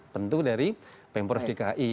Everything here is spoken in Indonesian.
tentu dari pemprovdika i